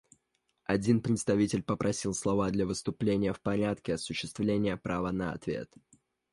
Один представитель попросил слова для выступления в порядке осуществления права на ответ.